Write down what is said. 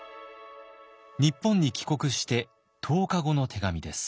日本に帰国して１０日後の手紙です。